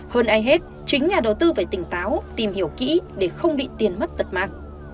hơn ai hết chính nhà đầu tư phải tỉnh táo tìm hiểu kỹ để không bị tiền mất tật mạng